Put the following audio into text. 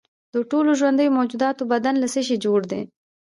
د ټولو ژوندیو موجوداتو بدن له څه شي جوړ دی